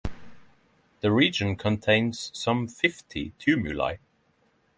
The region contains some fifty tumuli.